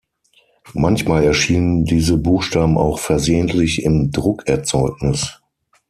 Manchmal erschienen diese Buchstaben auch versehentlich im Druckerzeugnis.